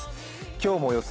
今日の予想